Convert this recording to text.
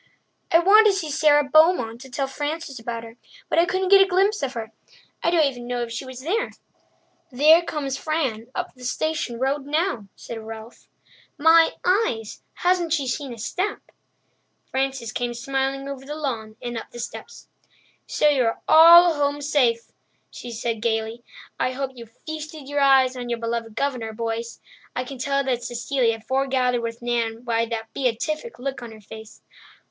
"I wanted to see Sara Beaumont to tell Frances about her, but I couldn't get a glimpse of her. I don't even know if she was there." "There comes Fran up the station road now," said Ralph. "My eyes, hasn't she a step!" Frances came smiling over the lawn and up the steps. "So you are all home safe," she said gaily. "I hope you feasted your eyes on your beloved Governor, boys. I can tell that Cecilia forgathered with Nan by the beatific look on her face."